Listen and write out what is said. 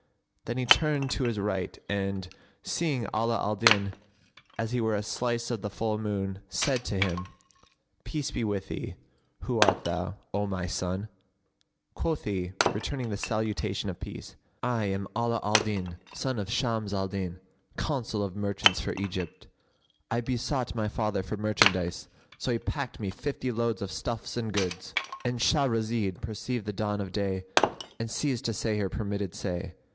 Then he turned to his right and, seeing Ala al Din as he were a slice of the full moon, said to him, "Peace be with thee! who art thou, O my son?" Quoth he, returning the salutation of peace, "I am Ala al Din, son of Shams al Din, Consul of the merchants for Egypt. I besought my father for merchandise; so he packed me fifty loads of stuffs and goods."—And Shahrazed perceived the dawn of day and ceased to say her permitted say.